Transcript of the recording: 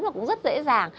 mà cũng rất dễ dàng